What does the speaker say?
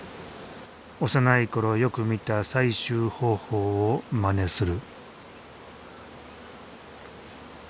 幼いころよく見た採集方法をまねする。